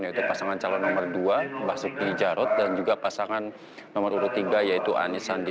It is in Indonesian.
yaitu pasangan calon nomor dua basuki jarod dan juga pasangan nomor urut tiga yaitu anies sandi